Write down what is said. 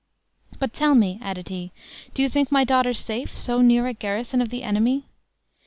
"But tell me," added he, "do you think my daughter safe, so near a garrison of the enemy?"